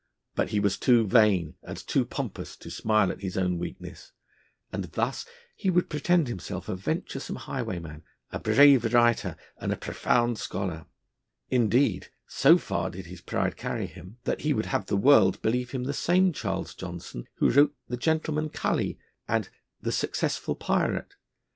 But he was too vain and too pompous to smile at his own weakness, and thus he would pretend himself a venturesome highwayman, a brave writer, and a profound scholar. Indeed, so far did his pride carry him, that he would have the world believe him the same Charles Johnson, who wrote The Gentleman Cully and The Successful Pyrate.